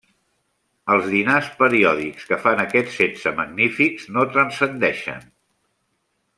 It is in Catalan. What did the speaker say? Els dinars periòdics que fan aquests setze magnífics no transcendeixen.